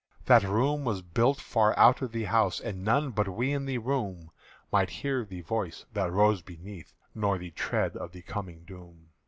That room was built far out from the house; And none but we in the room Might hear the voice that rose beneath, Nor the tread of the coming doom.